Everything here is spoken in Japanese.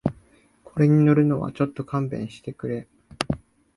これに乗るのはちょっと勘弁してくれ